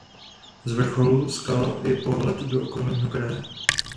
Z vrcholu skal je pohled do okolního kraje.